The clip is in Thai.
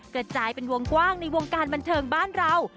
กระจายเป็นวงกว้างในวงการบันเทิงบ้านเรา